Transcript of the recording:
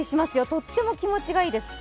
とっても気持ちがいいです。